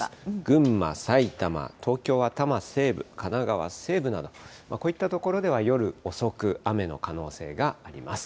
群馬、埼玉、東京は多摩西部、神奈川西部など、こういった所では夜遅く、雨の可能性があります。